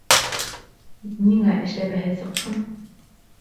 Ниңә эшләпәһеҙ сыҡҡан?